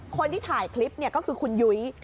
คนที่ถ่ายคลิปก็คือคุณยุ้ย